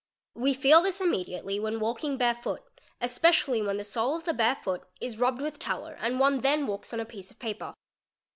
We feel this immediately when walking barefoot, especially when the 'sole of the bare foot is rubbed with tallow and one then walks on a piece of paper.